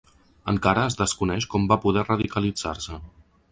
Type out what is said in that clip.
Encara es desconeix com va poder radicalitzar-se.